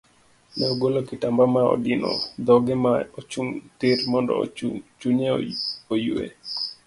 Ne ogolo kitamba ma odino dhoge ma ochung tir mondo chunye oyue.